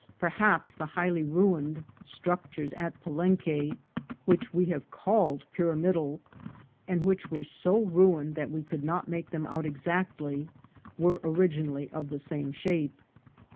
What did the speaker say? Perhaps the high ruined structures at Palenque, which we have called pyramidal, and which were so ruined that we could not make them out exactly, were originally of the same shape.